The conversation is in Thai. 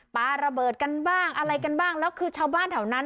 ปลาระเบิดกันบ้างอะไรกันบ้างแล้วคือชาวบ้านแถวนั้น